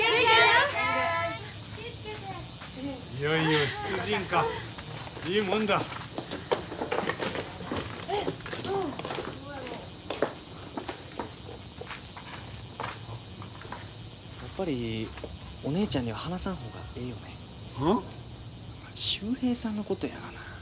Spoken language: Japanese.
やっぱりお姉ちゃんには話さん方がええよね。